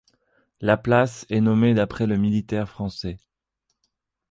La place est nommée d'après le militaire français.